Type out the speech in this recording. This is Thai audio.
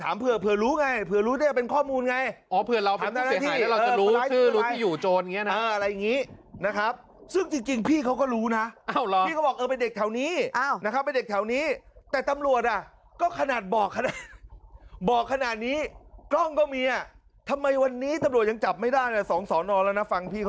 หรอหรือหรือหรือหรือหรือหรือหรือหรือหรือหรือหรือหรือหรือหรือหรือหรือหรือหรือหรือหรือหรือหรือหรือหรือหรือหรือหรือ